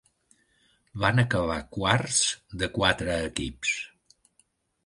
Van acabar quarts de quatre equips.